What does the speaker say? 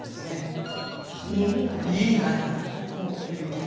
家に帰らないということ。